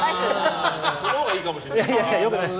そのほうがいいかもしれない。